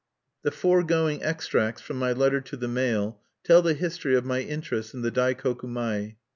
The foregoing extracts from my letter to the "Mail" tell the history of my interest in the Daikoku mai.